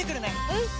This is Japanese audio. うん！